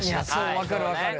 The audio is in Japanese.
そう分かる分かる。